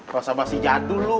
rasa masih jadul lo